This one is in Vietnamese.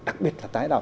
đặc biệt là tái đào